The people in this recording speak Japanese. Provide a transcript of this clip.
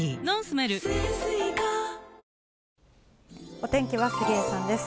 お天気は杉江さんです。